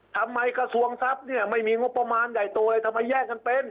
กระทรวงทรัพย์เนี่ยไม่มีงบประมาณใหญ่โตเลยทำไมแยกกันเป็น